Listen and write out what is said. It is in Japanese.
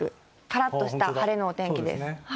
からっとした晴れのお天気です。